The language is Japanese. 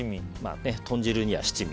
豚汁には七味。